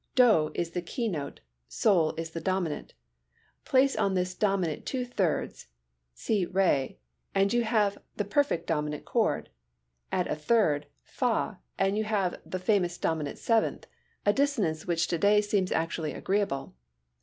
Do is the keynote, sol is the dominant. Place on this dominant two thirds—si re—and you have the perfect dominant chord. Add a third fa and you have the famous dominant seventh, a dissonance which to day seems actually agreeable.